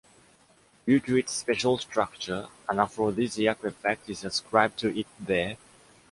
Due to its special structure, an aphrodisiac effect is ascribed to it there.